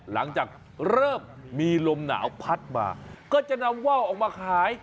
หลังจากเริ่มมีลมหนาวพัดมาก็จะนำว่าวออกมาขาย